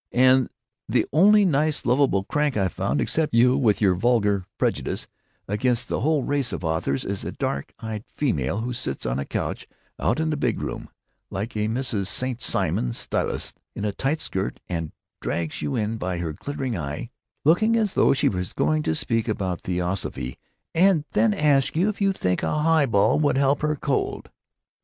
And the only nice lovable crank I've found—except you, with your vulgar prejudice against the whole race of authors—is a dark eyed female who sits on a couch out in the big room, like a Mrs. St. Simeon Stylites in a tight skirt, and drags you in by her glittering eye, looking as though she was going to speak about theosophy, and then asks you if you think a highball would help her cold."